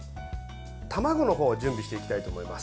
卵の方を準備していきたいと思います。